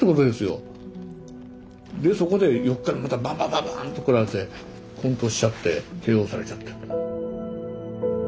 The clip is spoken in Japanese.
でそこで横からまたバンバンバンバンとこられてこん倒しちゃってＫＯされちゃった。